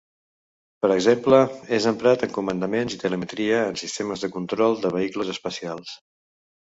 Per exemple, és emprat en comandament i telemetria en sistemes de control de vehicles espacials.